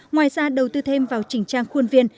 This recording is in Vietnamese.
ngoài ra đầu tư thêm vào chỉnh trang khuôn viên